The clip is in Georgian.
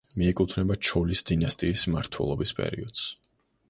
მიეკუთვნება ჩოლის დინასტიის მმართველობის პერიოდს.